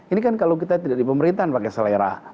ini kan kalau kita tidak di pemerintahan pakai selera